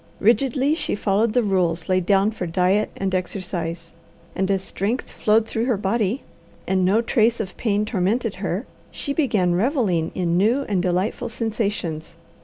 Rigidly she followed the rules laid down for diet and exercise, and as strength flowed through her body, and no trace of pain tormented her, she began revelling in new and delightful sensations.